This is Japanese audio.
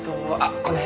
この辺に。